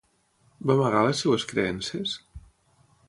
Va amagar les seves creences?